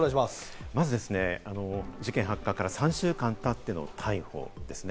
まず、事件発覚から３週間経っての逮捕ですね。